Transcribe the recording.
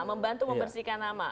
membantu membersihkan nama